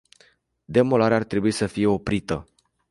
Demolarea ar trebui să fie oprită.